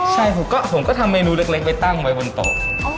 ใช่ผมก็ทำเมนูเล็กไปตั้งไว้บนโต๊ะ